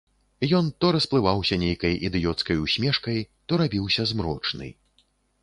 Ён то расплываўся нейкай ідыёцкай усмешкай, то рабіўся змрочны.